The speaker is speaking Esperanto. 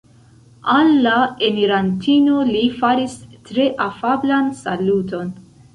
Al la enirantino li faris tre afablan saluton.